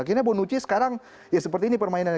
akhirnya bonucci sekarang ya seperti ini permainannya